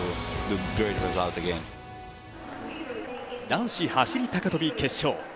男子走高跳決勝。